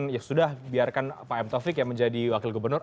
ya sudah biarkan pak m taufik yang menjadi wakil gubernur